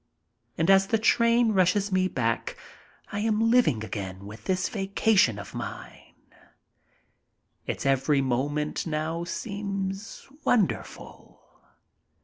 And as the train rushes me back I am living again this vacation of mine. Its every moment now seems wonderful.